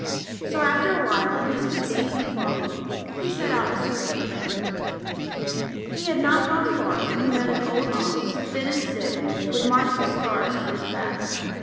So after a while, in his conceit and folly, he set out to search for Man. He had not gone far when he met an old Ox, thin and sick, with marks of scars on his back.